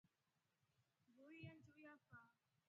Mburu iya njiiu yafyaa.